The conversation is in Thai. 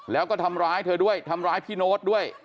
แล้วก็ทำร้ายเธอด้วยทำร้ายพี่โน๊ตด้วย